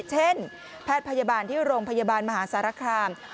เช่นแพทย์พยาบาลที่โรงพยาบาลมหาสารคาม